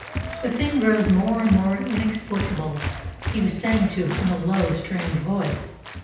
"The thing grows more and more inexplicable," he was saying to her in a low, strained voice.